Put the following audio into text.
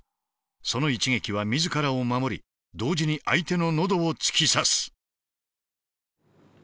その一撃は自らを守り同時に相手の喉を突き刺す。